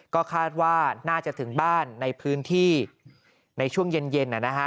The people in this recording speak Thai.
ก็คาดว่าน่าจะถึงบ้านในพื้นที่ในช่วงเย็น